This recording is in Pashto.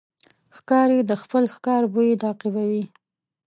ښکاري د خپل ښکار بوی تعقیبوي.